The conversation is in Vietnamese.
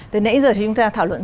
từ nãy giờ thì chúng ta thảo luận